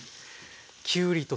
きゅうりと鶏肉。